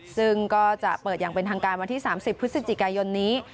ซึ่งก็จะเปิดอย่างเป็นทางการวันที่๓๐พฤศจิกายนนี้